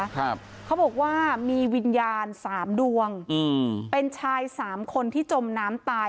ครับเขาบอกว่ามีวิญญาณสามดวงอืมเป็นชายสามคนที่จมน้ำตาย